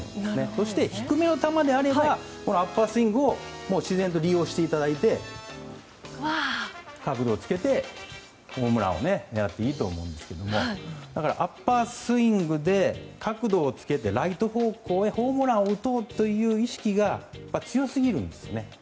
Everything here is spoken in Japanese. そして低めの球ならアッパースイングを自然と利用していただいて角度をつけてホームランを狙っていいと思うんですけどだから、アッパースイングで角度をつけてライト方向へホームランを打とうという意識が強すぎるんですよね。